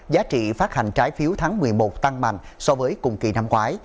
giá trị phát hành trái phiếu tháng một mươi một tăng mạnh so với cùng kỳ năm ngoái